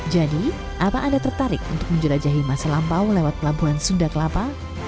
jadi apa anda tertarik untuk menjelajahi masa lampau lewat pelabuhan sunda kelapa